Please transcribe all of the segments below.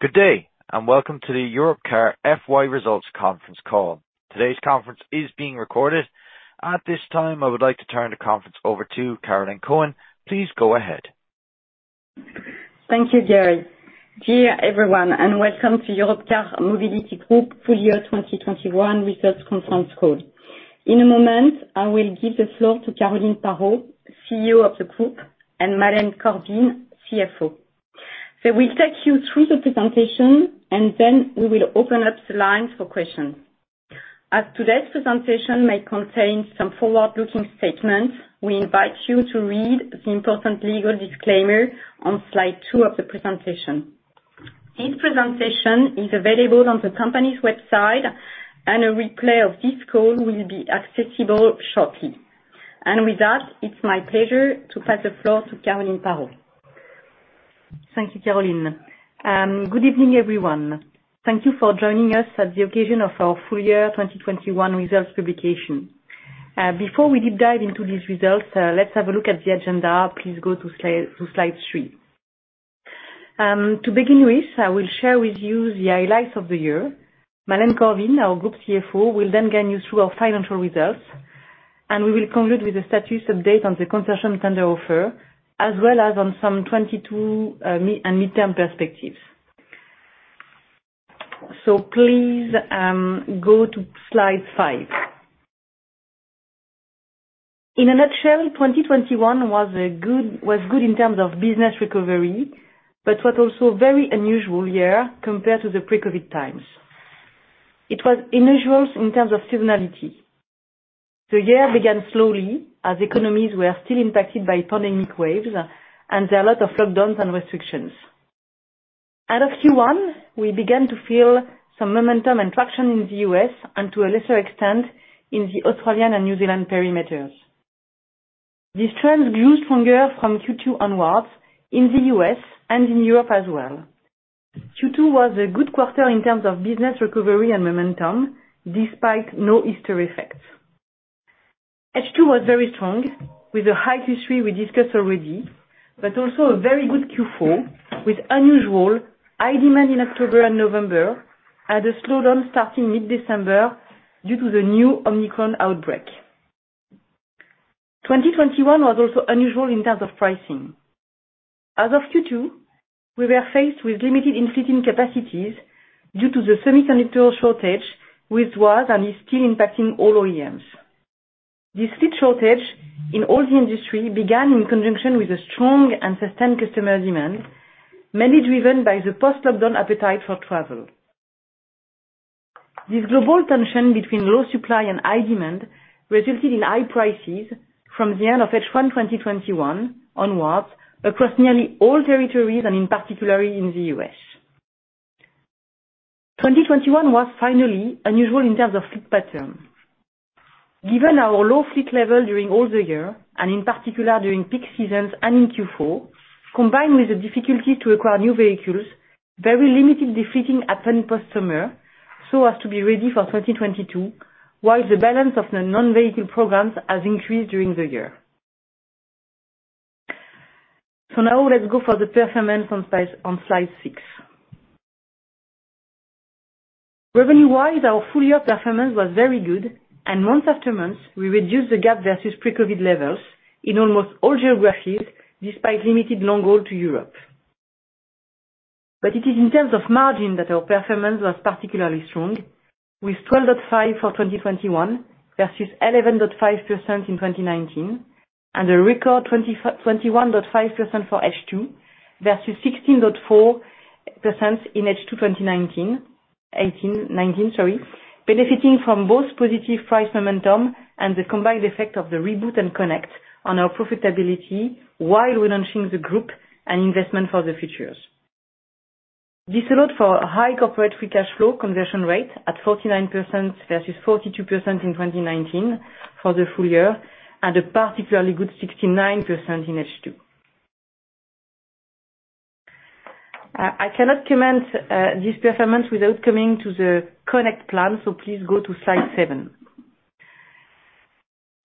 Good day, and welcome to the Europcar FY Results Conference Call. Today's conference is being recorded. At this time, I would like to turn the conference over to Caroline Cohen. Please go ahead. Thank you, Gary. Dear everyone, welcome to Europcar Mobility Group full year 2021 research conference call. In a moment, I will give the floor to Caroline Parot, CEO of the group, and Malene Korvin, CFO. They will take you through the presentation, and then we will open up the lines for questions. As today's presentation may contain some forward-looking statements, we invite you to read the important legal disclaimer on slide two of the presentation. This presentation is available on the company's website, and a replay of this call will be accessible shortly. With that, it's my pleasure to pass the floor to Caroline Parot. Thank you, Caroline. Good evening, everyone. Thank you for joining us at the occasion of our full year 2021 results publication. Before we deep dive into these results, let's have a look at the agenda. Please go to slide three. To begin with, I will share with you the highlights of the year. Malene Korvin, our Group CFO, will then guide you through our financial results, and we will conclude with the status update on the concession tender offer, as well as on some 2022 and midterm perspectives. Please go to slide five. In a nutshell, 2021 was good in terms of business recovery, but was also a very unusual year compared to the pre-COVID times. It was unusual in terms of seasonality. The year began slowly as economies were still impacted by pandemic waves, and there are a lot of lockdowns and restrictions. Out of Q1, we began to feel some momentum and traction in the U.S., and to a lesser extent, in the Australian and New Zealand perimeters. These trends grew stronger from Q2 onwards in the U.S. and in Europe as well. Q2 was a good quarter in terms of business recovery and momentum, despite no Easter effects. H2 was very strong, with a high Q3 we discussed already, but also a very good Q4, with unusual high demand in October and November, and a slowdown starting mid-December due to the new Omicron outbreak. 2021 was also unusual in terms of pricing. As of Q2, we were faced with limited in-fleet capacities due to the semiconductor shortage, which was and is still impacting all OEMs. This fleet shortage in all the industry began in conjunction with a strong and sustained customer demand, mainly driven by the post-lockdown appetite for travel. This global tension between low supply and high demand resulted in high prices from the end of H1 2021 onwards across nearly all territories, and in particular, in the U.S. 2021 was finally unusual in terms of fleet pattern. Given our low fleet level during all the year, and in particular during peak seasons and in Q4, combined with the difficulty to acquire new vehicles, very limited de-fleeting happened post-summer, so as to be ready for 2022, while the balance of the non-vehicle programs has increased during the year. Now let's go for the performance on slide six. Revenue-wise, our full year performance was very good. And month after month, we reduced the gap versus pre-COVID levels in almost all geographies, despite limited long haul to Europe. It is in terms of margin that our performance was particularly strong, with 12.5% for 2021 versus 11.5% in 2019, and a record 21.5% for H2, versus 16.4% in H2 2019. Benefiting from both positive price momentum and the combined effect of the Reboot and Connect on our profitability while relaunching the group and investment for the futures. This allowed for a high corporate free cash flow conversion rate at 49% versus 42% in 2019 for the full year, and a particularly good 69% in H2. I cannot comment this performance without coming to the Connect plan, so please go to slide seven.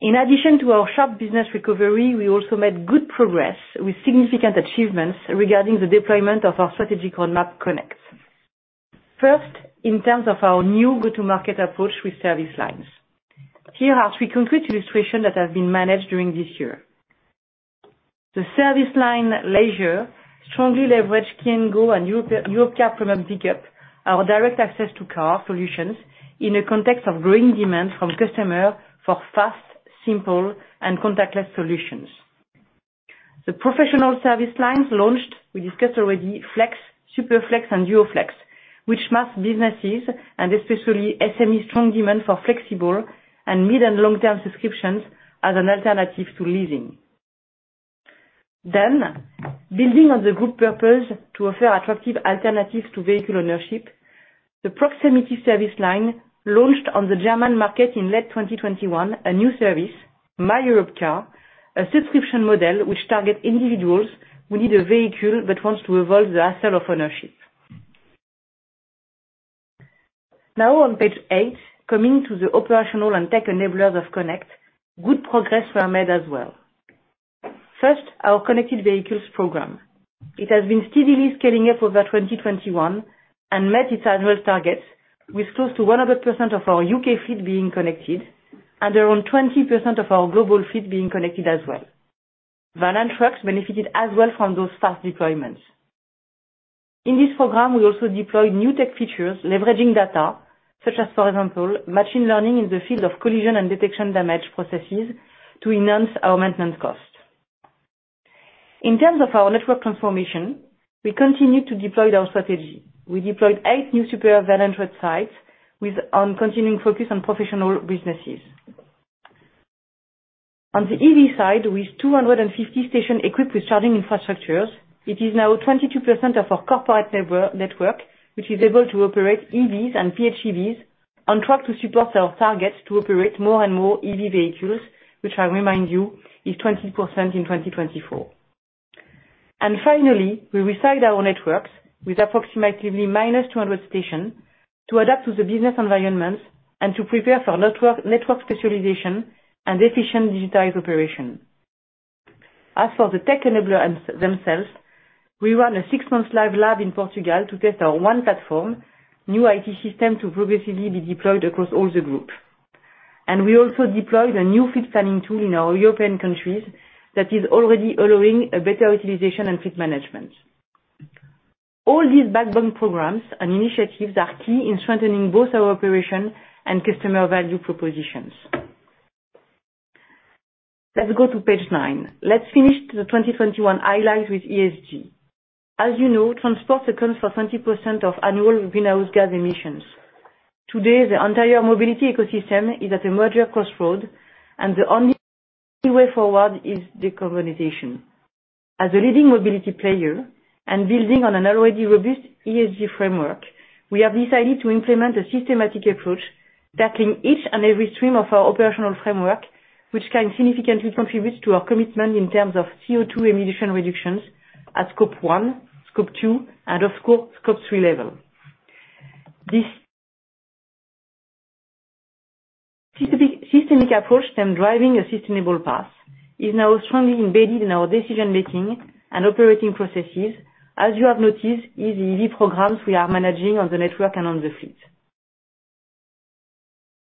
In addition to our sharp business recovery, we also made good progress with significant achievements regarding the deployment of our strategic roadmap Connect. First, in terms of our new go-to-market approach with service lines. Here are three concrete illustrations that have been managed during this year. The service line leisure strongly leveraged Key'n Go and Europcar Premium Pick-up, our direct access to car solutions, in a context of growing demand from customer for fast, simple, and contactless solutions. The professional service lines launched, we discussed already, Flex, SuperFlex, and DuoFlex, which match businesses and especially SME strong demand for flexible and mid and long-term subscriptions as an alternative to leasing. Building on the group purpose to offer attractive alternatives to vehicle ownership, the proximity service line launched on the German market in late 2021 a new service, myEuropcar, a subscription model which target individuals who need a vehicle but wants to avoid the hassle of ownership. Now on page eight, coming to the operational and tech enablers of Connect, good progress were made as well. First, our connected vehicles program. It has been steadily scaling up over 2021 and met its annual targets with close to 100% of our U.K. fleet being connected and around 20% of our global fleet being connected as well. Vans and trucks benefited as well from those fast deployments. In this program, we also deployed new tech features leveraging data such as, for example, machine learning in the field of collision and damage detection processes to enhance our maintenance costs. In terms of our network transformation, we continued to deploy our strategy. We deployed eight new superior van and truck sites with continuing focus on professional businesses. On the EV side, with 250 stations equipped with charging infrastructures, it is now 22% of our corporate network, which is able to operate EVs and PHEVs on track to support our targets, to operate more and more EV vehicles, which I remind you is 20% in 2024. Finally, we resize our networks with approximately -200 stations to adapt to the business environment and to prepare for network specialization and efficient digitized operation. As for the tech enablers themselves, we run a six-month live lab in Portugal to test our one platform new IT system to progressively be deployed across all the group. We also deployed a new fleet planning tool in our European countries that is already allowing a better utilization and fleet management. All these backbone programs and initiatives are key in strengthening both our operation and customer value propositions. Let's go to page nine. Let's finish the 2021 highlights with ESG. As you know, transport accounts for 20% of annual greenhouse gas emissions. Today, the entire mobility ecosystem is at a major crossroad, and the only way forward is decarbonization. As a leading mobility player and building on an already robust ESG framework, we have decided to implement a systematic approach tackling each and every stream of our operational framework, which can significantly contribute to our commitment in terms of CO₂ emission reductions at Scope I, Scope II, and of course, Scope III level. This systemic approach then driving a sustainable path, is now strongly embedded in our decision making and operating processes, as you have noticed in the EV programs we are managing on the network and on the fleet.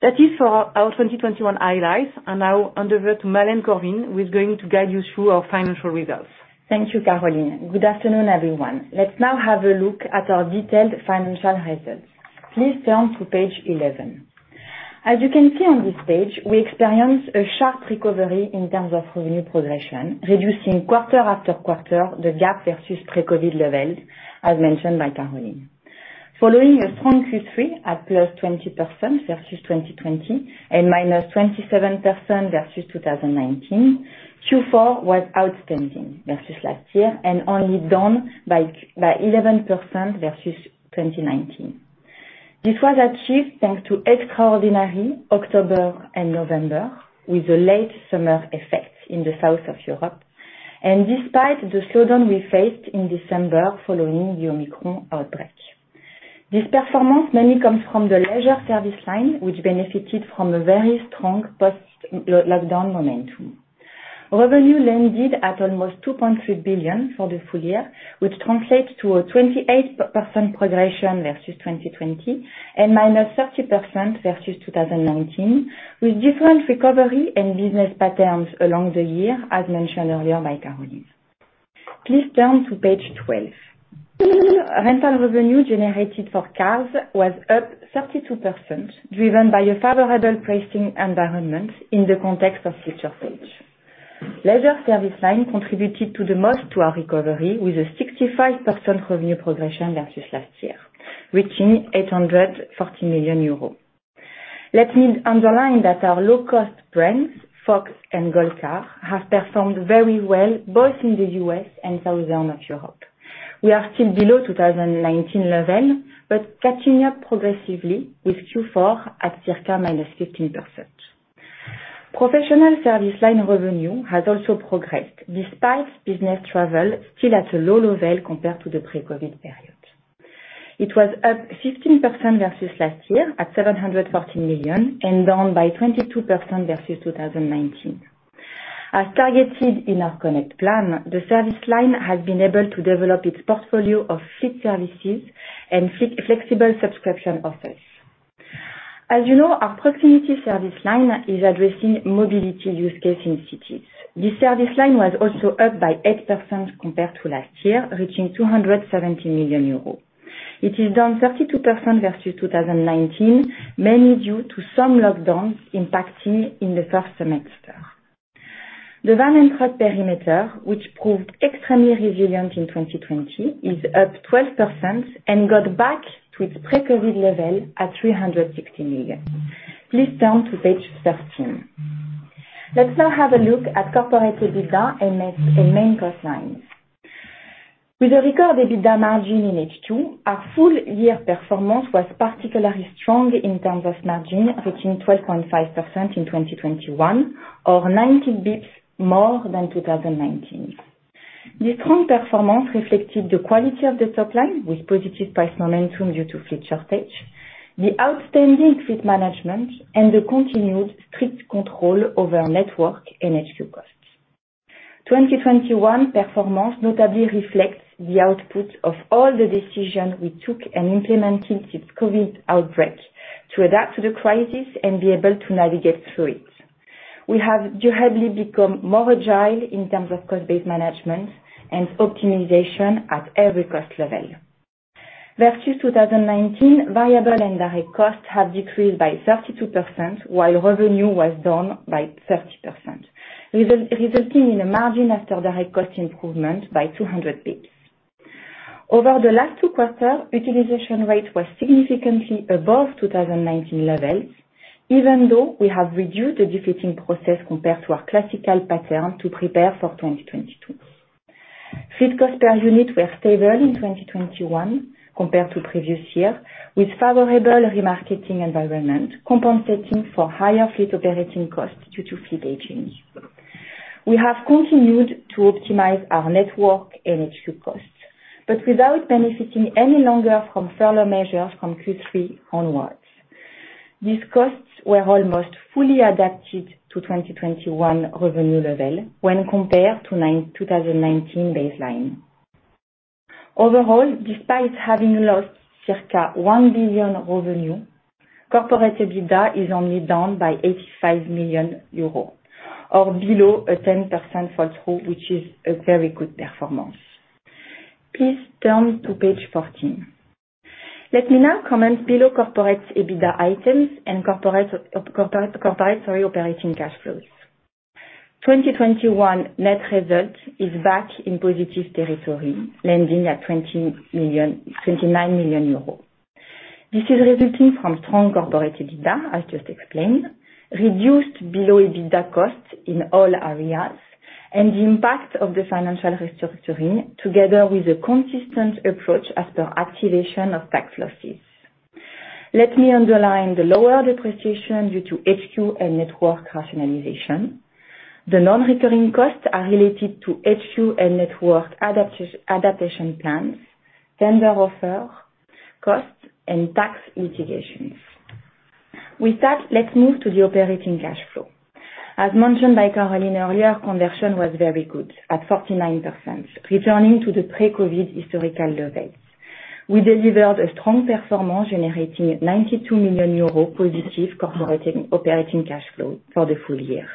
That is for our 2021 highlights. Now I hand over to Malene Korvin, who is going to guide you through our financial results. Thank you, Caroline. Good afternoon, everyone. Let's now have a look at our detailed financial results. Please turn to page 11. As you can see on this page, we experienced a sharp recovery in terms of revenue progression, reducing quarter after quarter, the gap versus pre-COVID levels, as mentioned by Caroline. Following a strong Q3 at +20% versus 2020 and -27% versus 2019, Q4 was outstanding versus last year and only down by 11% versus 2019. This was achieved thanks to extraordinary October and November, with a late summer effect in the south of Europe, despite the slowdown we faced in December following the Omicron outbreak. This performance mainly comes from the leisure service line, which benefited from a very strong post-lockdown momentum. Revenue landed at almost 2.3 billion for the full year, which translates to a 28% progression versus 2020 and -30% versus 2019, with different recovery and business patterns along the year, as mentioned earlier by Caroline. Please turn to page 12. Rental revenue generated for cars was up 32%, driven by a favorable pricing environment in the context of future page. Leisure service line contributed the most to our recovery, with a 65% revenue progression versus last year, reaching 840 million euros. Let me underline that our low-cost brands, Fox and Goldcar, have performed very well both in the U.S. and Southern Europe. We are still below 2019 level, but catching up progressively with Q4 at circa -15%. Professional service line revenue has also progressed despite business travel still at a low level compared to the pre-COVID period. It was up 15% versus last year at 740 million, and down by 22% versus 2019. As targeted in our Connect plan, the service line has been able to develop its portfolio of fleet services and flexible subscription offers. As you know, our proximity service line is addressing mobility use case in cities. This service line was also up by 8% compared to last year, reaching 270 million euros. It is down 32% versus 2019, mainly due to some lockdowns impacting in the first semester. The van and truck perimeter, which proved extremely resilient in 2020, is up 12% and got back to its pre-COVID level at 360 million. Please turn to page 13. Let's now have a look at corporate EBITDA and its main cost lines. With a record EBITDA margin in H2, our full year performance was particularly strong in terms of margin, reaching 12.5% in 2021 or 90 basis points more than 2019. The strong performance reflected the quality of the top line with positive price momentum due to fleet shortage, the outstanding fleet management, and the continued strict control over network and HQ costs. 2021 performance notably reflects the output of all the decisions we took and implemented since COVID outbreak to adapt to the crisis and be able to navigate through it. We have heavily become more agile in terms of cost-based management and optimization at every cost level. Versus 2019, variable and direct costs have decreased by 32%, while revenue was down by 30%, resulting in a margin after direct cost improvement by 200 basis points. Over the last two quarters, utilization rate was significantly above 2019 levels, even though we have reduced the de-fleeting process compared to our classical pattern to prepare for 2022. Fleet cost per unit were stable in 2021 compared to previous year, with favorable remarketing environment compensating for higher fleet operating costs due to fleet aging. We have continued to optimize our network and HQ costs, but without benefiting any longer from further measures from Q3 onwards. These costs were almost fully adapted to 2021 revenue level when compared to 2019 baseline. Overall, despite having lost circa 1 billion revenue, corporate EBITDA is only down by 85 million euros or below a 10% fall through, which is a very good performance. Please turn to page 14. Let me now comment below corporate EBITDA items and corporate operating cash flows. 2021 net result is back in positive territory, landing at 29 million euros. This is resulting from strong corporate EBITDA, as just explained, reduced below EBITDA costs in all areas, and the impact of the financial restructuring together with a consistent approach after activation of tax losses. Let me underline the lower depreciation due to HQ and network rationalization. The non-recurring costs are related to HQ and network adaptation plans, tender offer costs, and tax mitigations. With that, let's move to the operating cash flow. As mentioned by Caroline earlier, conversion was very good at 49%, returning to the pre-COVID historical levels. We delivered a strong performance, generating 92 million euros positive corporate operating cash flow for the full year.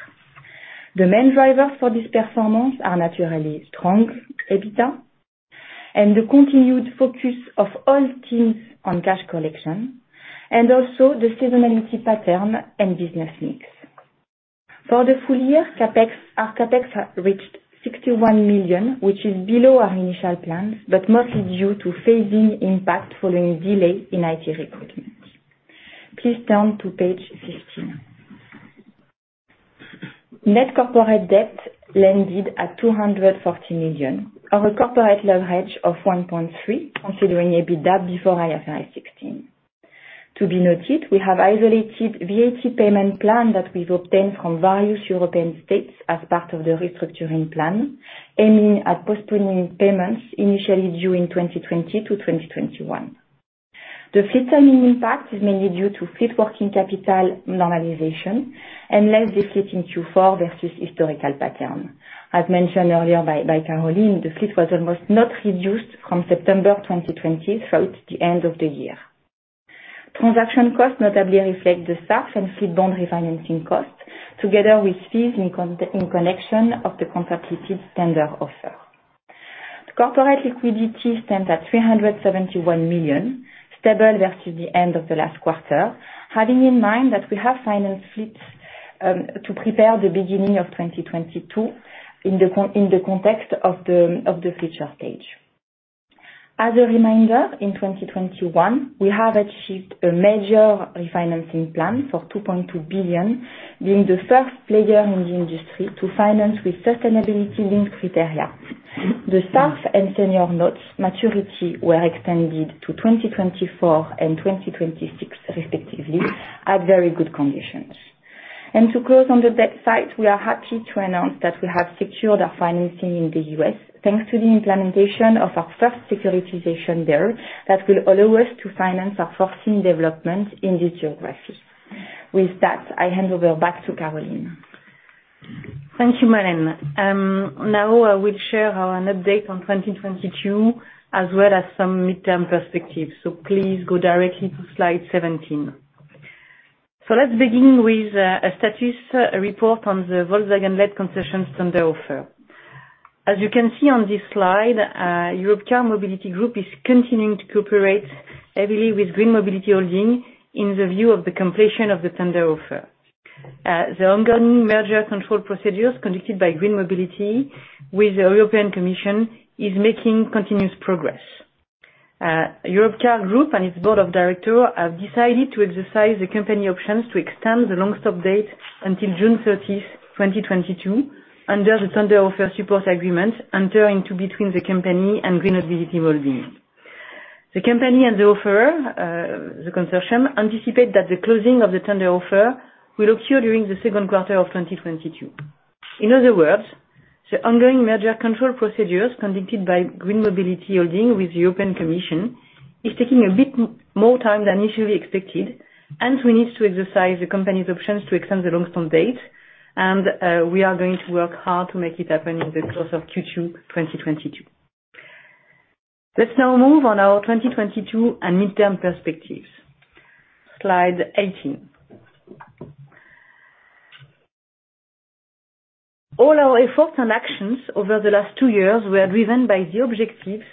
The main drivers for this performance are naturally strong EBITDA and the continued focus of all teams on cash collection, and also the seasonality pattern and business mix. For the full year, CapEx, our CapEx reached 61 million, which is below our initial plans, but mostly due to phasing impact following delay in IT recruitment. Please turn to page 15. Net corporate debt landed at 240 million, our corporate leverage of 1.3x, considering EBITDA before IFRS 16. To be noted, we have isolated VAT payment plan that we've obtained from various European states as part of the restructuring plan, aiming at postponing payments initially due in 2020 to 2021. The fleet timing impact is mainly due to fleet working capital normalization and less de-fleeting in Q4 versus historical pattern. As mentioned earlier by Caroline, the fleet was almost not reduced from September 2020 throughout the end of the year. Transaction costs notably reflect the staff and fleet bond refinancing costs, together with fees in connection of the competitive tender offer. Corporate liquidity stands at 371 million, stable versus the end of the last quarter, having in mind that we have financed fleets to prepare the beginning of 2022 in the context of the fleet shortage. As a reminder, in 2021, we have achieved a major refinancing plan for 2.2 billion, being the first player in the industry to finance with sustainability linked criteria. The staff and senior notes maturity were extended to 2024 and 2026 respectively at very good conditions. To close on the debt side, we are happy to announce that we have secured our financing in the U.S. thanks to the implementation of our first securitization there that will allow us to finance our foreseen development in this geography. With that, I hand over back to Caroline. Thank you, Malene Korvin. Now I will share an update on 2022 as well as some mid-term perspectives. Please go directly to slide 17. Let's begin with a status report on the Volkswagen-led consortium tender offer. As you can see on this slide, Europcar Mobility Group is continuing to cooperate heavily with Green Mobility Holding with a view to the completion of the tender offer. The ongoing merger control procedures conducted by Green Mobility with the European Commission is making continuous progress. Europcar Mobility Group and its board of directors have decided to exercise the company options to extend the long-stop date until June 30, 2022, under the tender offer support agreement entered into between the company and Green Mobility Holding. The company and the offeror, the consortium, anticipate that the closing of the tender offer will occur during the second quarter of 2022. In other words, the ongoing merger control procedures conducted by Green Mobility Holding with the European Commission are taking a bit more time than initially expected, and we need to exercise the company's options to extend the long-stop date, and we are going to work hard to make it happen in the close of Q2 2022. Let's now move on our 2022 and mid-term perspectives. Slide 18. All our efforts and actions over the last two years were driven by the objectives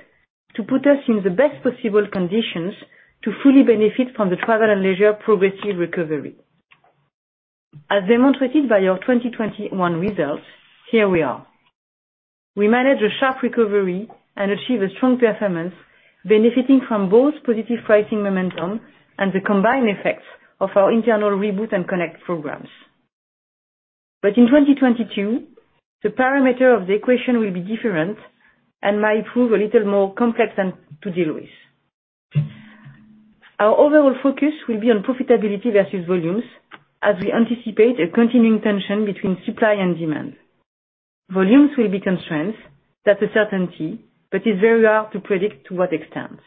to put us in the best possible conditions to fully benefit from the travel and leisure progressive recovery. As demonstrated by our 2021 results, here we are. We managed a sharp recovery and achieved a strong performance, benefiting from both positive pricing momentum and the combined effects of our internal Reboot and Connect programs. In 2022, the parameter of the equation will be different and might prove a little more complex than to deal with. Our overall focus will be on profitability versus volumes, as we anticipate a continuing tension between supply and demand. Volumes will be constrained, that's a certainty, but it's very hard to predict to what extent.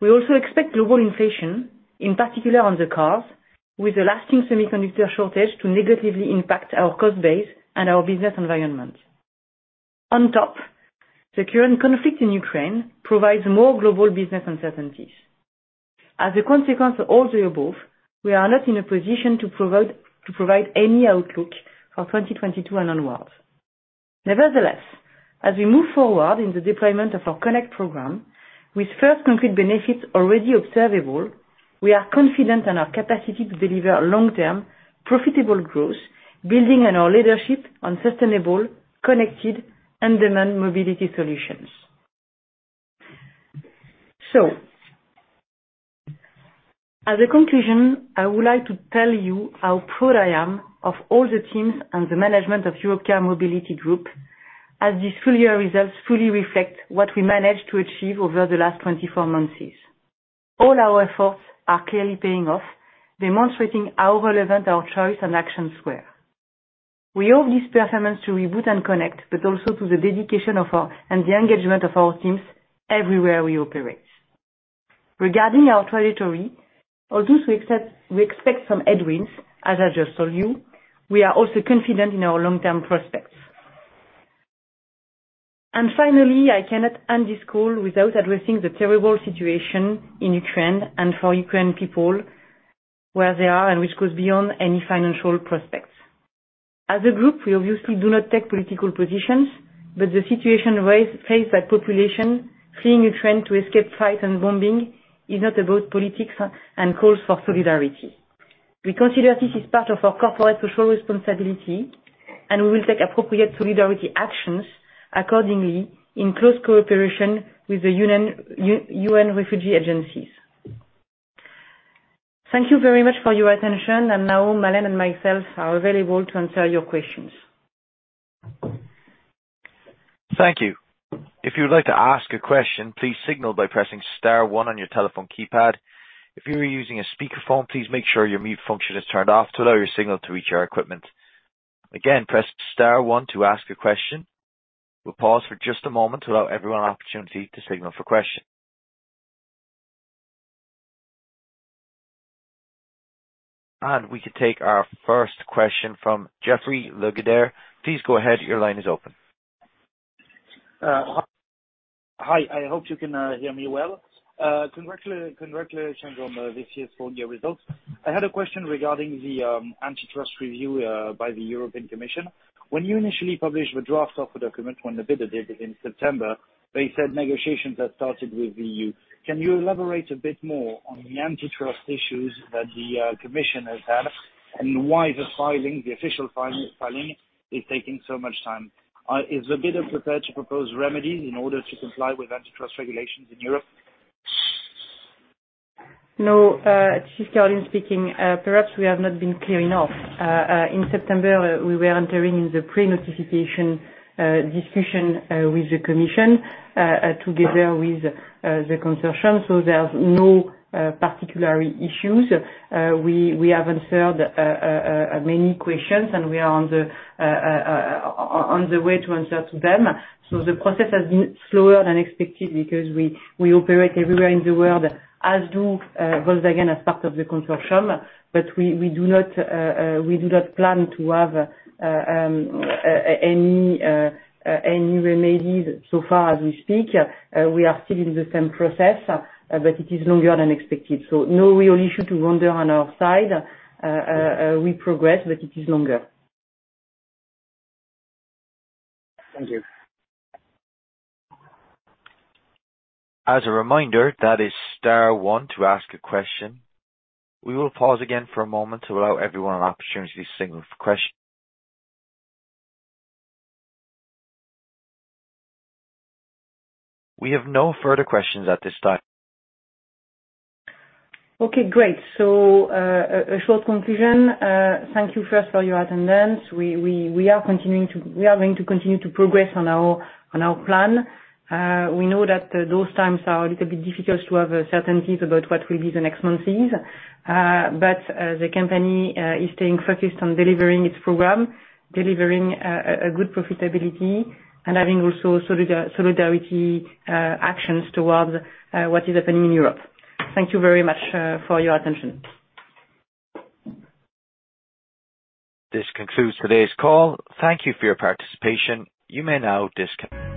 We also expect global inflation, in particular on the cars, with a lasting semiconductor shortage to negatively impact our cost base and our business environment. On top, the current conflict in Ukraine provides more global business uncertainties. As a consequence of all the above, we are not in a position to provide any outlook for 2022 and onward. Nevertheless, as we move forward in the deployment of our Connect program, with first concrete benefits already observable, we are confident in our capacity to deliver long-term, profitable growth, building on our leadership on sustainable, connected, and demand mobility solutions. As a conclusion, I would like to tell you how proud I am of all the teams and the management of Europcar Mobility Group, as these full year results fully reflect what we managed to achieve over the last 24 months. All our efforts are clearly paying off, demonstrating how relevant our choice and actions were. We owe this performance to Reboot and Connect, but also to the dedication of our and the engagement of our teams everywhere we operate. Regarding our trajectory, although we expect some headwinds, as I just told you, we are also confident in our long-term prospects. Finally, I cannot end this call without addressing the terrible situation in Ukraine and for Ukrainian people, where they are, and which goes beyond any financial prospects. As a group, we obviously do not take political positions, but the situation faced by population fleeing Ukraine to escape fighting and bombing is not about politics, and calls for solidarity. We consider this is part of our corporate social responsibility, and we will take appropriate solidarity actions accordingly in close cooperation with the UN refugee agencies. Thank you very much for your attention, and now, Malene and myself are available to answer your questions. Thank you. If you would like to ask a question, please signal by pressing star one on your telephone keypad. If you are using a speakerphone, please make sure your mute function is turned off to allow your signal to reach our equipment. Again, press star one to ask a question. We'll pause for just a moment to allow everyone an opportunity to signal for question. We can take our first question from Jeffrey. [inaudible] Please go ahead, your line is open. Hi. I hope you can hear me well. Congratulations on this year's full year results. I had a question regarding the antitrust review by the European Commission. When you initially published the draft offer document on the bidder date in September, they said negotiations had started with EU. Can you elaborate a bit more on the antitrust issues that the Commission has had? And why the official filing is taking so much time? Is the bidder prepared to propose remedies in order to comply with antitrust regulations in Europe? No, this is Caroline speaking. Perhaps we have not been clear enough. In September, we were entering the pre-notification discussion with the commission together with the consortium, so there's no particular issues. We have answered many questions, and we are on the way to answer to them. The process has been slower than expected because we operate everywhere in the world, as do Volkswagen as part of the consortium, but we do not plan to have any remedies so far as we speak. We are still in the same process, but it is longer than expected. No real issue to wonder on our side. We progress, but it is longer. Thank you. As a reminder, that is star one to ask a question. We will pause again for a moment to allow everyone an opportunity to signal for question. We have no further questions at this time. Okay, great. A short conclusion. Thank you first for your attendance. We are going to continue to progress on our plan. We know that those times are a little bit difficult to have certainties about what will be the next months is. The company is staying focused on delivering its program, delivering a good profitability and having also solidarity actions towards what is happening in Europe. Thank you very much for your attention. This concludes today's call. Thank you for your participation. You may now disconnect.